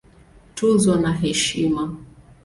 Tuzo na Heshima